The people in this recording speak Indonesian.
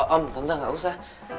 om tante gak usah